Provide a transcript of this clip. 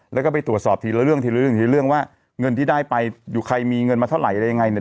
แล้วก็ไปตรวจสอบทีละเรื่องว่าเงินที่ได้ไปอยู่ใครมีเงินมาเท่าไหร่อะไรยังไง